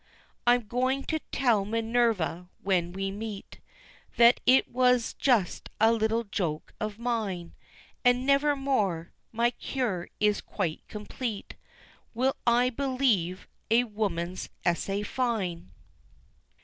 I'm going to tell Minerva when we meet That it was just a little joke of mine, And nevermore my cure is quite complete Will I believe a woman's essay fine.